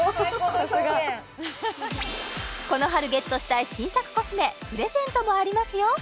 この春ゲットしたい新作コスメプレゼントもありますよ